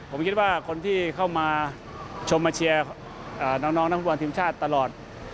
ผมคิดว่าคนที่เข้ามาชมเชียร์น้องนักผู้ประวังทีมชาติตลอด